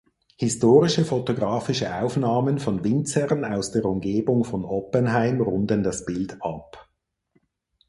Historische fotografische Aufnahmen von Winzern aus der Umgebung von Oppenheim runden das Bild ab.